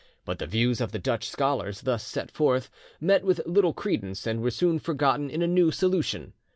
But the views of the Dutch scholars thus set forth met with little credence, and were soon forgotten in a new solution.